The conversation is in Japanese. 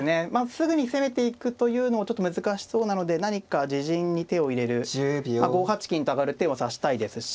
すぐに攻めていくというのはちょっと難しそうなので何か自陣に手を入れるまあ５八金と上がる手も指したいですし